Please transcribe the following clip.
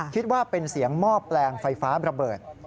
คิดว่าเป็นเสียงหม้อแปลงไฟฟ้าระเบิด